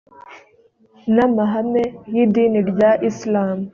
n amahame yi idini rya islam